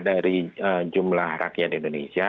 dari jumlah rakyat indonesia